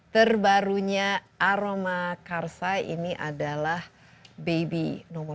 terbarunya aroma karsa ini adalah baby nomor dua belas